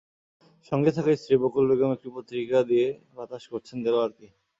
সঙ্গে থাকা স্ত্রী বকুল বেগম একটি পত্রিকা দিয়ে বাতাস করছেন দেলোয়ারকে।